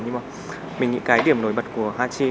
nhưng mà mình những cái điểm nổi bật của hachi